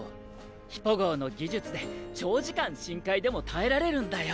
ヒポ号の技術で長時間深海でも耐えられるんだよ。